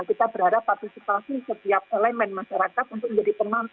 kita berharap partisipasi setiap elemen masyarakat untuk menjadi penonton